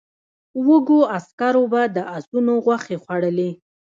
وږو عسکرو به د آسونو غوښې خوړلې.